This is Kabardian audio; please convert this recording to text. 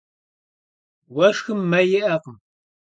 Уэшхым мэ иӏэкъым.